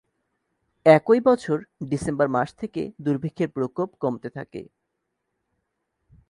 একই বছর ডিসেম্বর মাস থেকে দুর্ভিক্ষের প্রকোপ কমতে থাকে।